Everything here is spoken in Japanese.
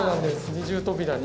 二重扉に。